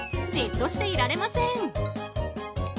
じっとしていられません。